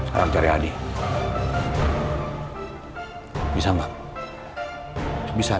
karena tapi holgang sama seperti saya